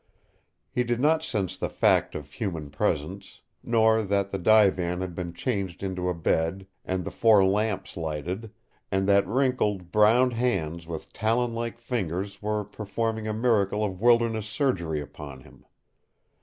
He did not sense the fact of human presence; nor that the divan had been changed into a bed and the four lamps lighted, and that wrinkled, brown hands with talon like fingers were performing a miracle of wilderness surgery upon him.